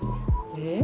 えっ？